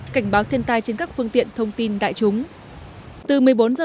cảnh báo thiên tai trên các phương tiện thông tin đại chúng